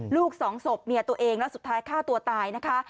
สองศพเมียตัวเองแล้วสุดท้ายฆ่าตัวตายนะคะ